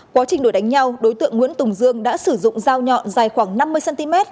quá trình đuổi đánh nhau đối tượng nguyễn tùng dương đã sử dụng dao nhọn dài khoảng năm mươi cm